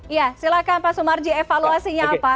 ya silahkan pak sumarji evaluasinya apa